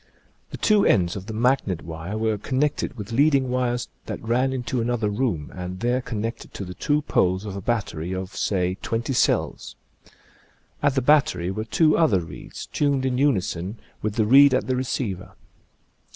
The two ends of the magnet wire were connected with lead ing wires that ran into another room and there connected to the two poles of a battery of, say, twenty cells. At the battery were two other reeds, tuned in unison with the reed at the receiver.